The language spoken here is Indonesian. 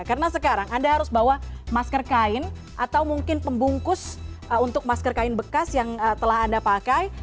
karena sekarang anda harus bawa masker kain atau mungkin pembungkus untuk masker kain bekas yang telah anda pakai